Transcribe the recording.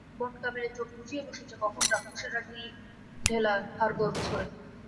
মটকা মেরে চোখ বুজিয়ে বসেছে, কখন রাক্ষসেরা ঢিলঢেলা হাড়গোড় ছোঁড়ে।